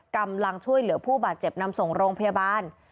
กำลังช่วยเหลือผู้บาดเจ็บนำส่งโรงพยาบาล